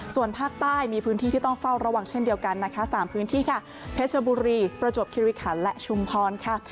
ส่วนภาคใต้มีพื้นที่ที่ต้องเฝ้าระวังเช่นเดียวกันนะคะ๓พื้นที่ค่ะเพชรบุรีประจวบคิริขันและชุมพรค่ะ